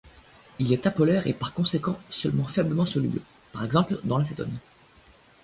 Il est apolaire et par conséquent seulement faiblement soluble, par exemple dans l'acétone.